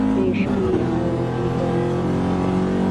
د شپې مو لید څنګه دی؟